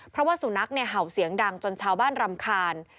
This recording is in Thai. เพราะว่าสุนัขเห่าเสียงดังจนชาวบ้านรำคาญ